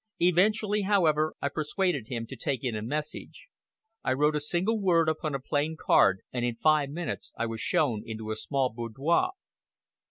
Eventually, however, I persuaded him to take in a message. I wrote a single word upon a plain card, and in five minutes I was shown into a small boudoir.